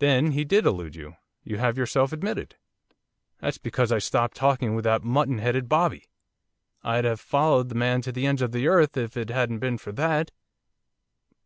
'That he did elude you, you have yourself admitted.' 'That's because I stopped talking with that mutton headed bobby, I'd have followed the man to the ends of the earth if it hadn't been for that.